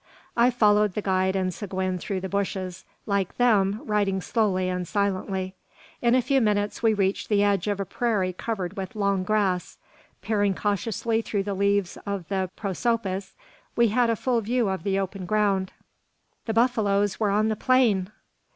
I followed the guide and Seguin through the bushes; like them, riding slowly and silently. In a few minutes we reached the edge of a prairie covered with long grass. Peering cautiously through the leaves of the prosopis, we had a full view of the open ground. The buffaloes were on the plain!